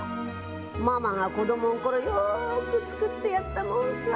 ママが子どものころ、よーく作ってやったもんさ。